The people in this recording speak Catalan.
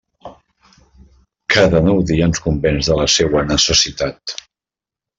Cada nou dia ens convenç de la seua necessitat.